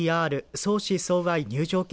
相思相愛入場券